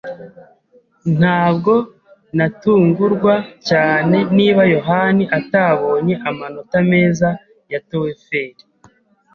Ntabwo natungurwa cyane niba yohani atabonye amanota meza ya TOEFL.